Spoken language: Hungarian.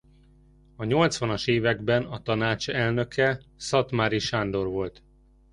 A nyolcvanas években a tanács elnöke Szatmári Sándor volt.